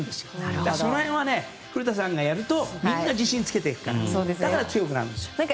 だからその辺は古田さんがやるとみんな自信をつけていくからだから強くなるんですよ。